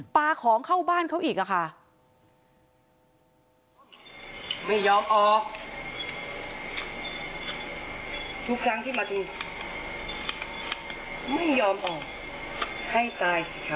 ของเข้าบ้านเขาอีกค่ะ